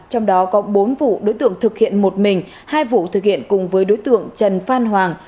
trong đó có bốn vụ đối tượng thực hiện một mình hai vụ thực hiện cùng với đối tượng trần phan hoàng